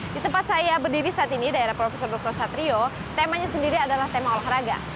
di tempat saya berdiri saat ini daerah prof dr satrio temanya sendiri adalah tema olahraga